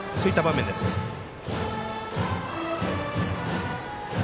そういった場面です。